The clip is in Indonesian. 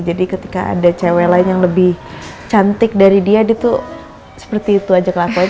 jadi ketika ada cewek lain yang lebih cantik dari dia dia tuh seperti itu aja kelakuan